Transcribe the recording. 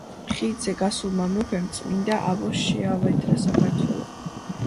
ხიდზე გასულმა მეფემ წმინდა აბოს შეავედრა საქართველო.